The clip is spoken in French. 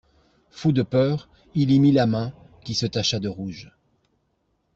Fou de peur, il y mit la main, qui se tacha de rouge.